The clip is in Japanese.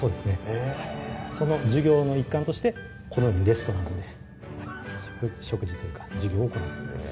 へぇその授業の一環としてこのようにレストランで食事というか授業を行っております